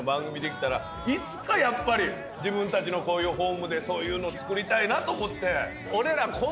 いつかやっぱり自分たちのこういうホームでそういうのつくりたいなと思って。